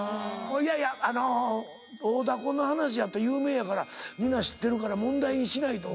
いやいやあの大ダコの話やと有名やからみんな知ってるから問題にしないと思う。